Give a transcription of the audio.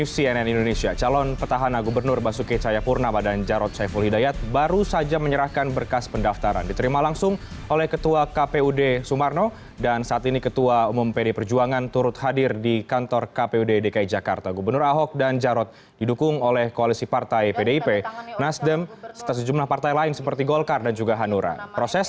cnn indonesia breaking news